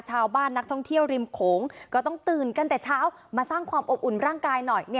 ชาวบ้านนักท่องเที่ยวริมโขงก็ต้องตื่นกันแต่เช้ามาสร้างความอบอุ่นร่างกายหน่อย